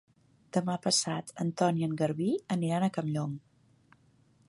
Demà passat en Ton i en Garbí aniran a Campllong.